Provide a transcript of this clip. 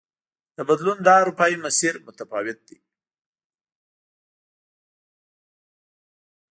د بدلون دا اروپايي مسیر متفاوت دی.